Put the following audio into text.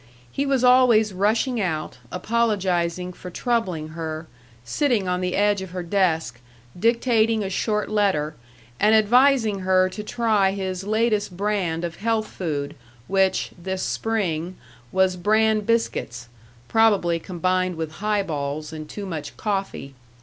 He was always rushing out, apologizing for troubling her, sitting on the edge of her desk, dictating a short letter, and advising her to try his latest brand of health food, which, this spring, was bran biscuits probably combined with highballs and too much coffee.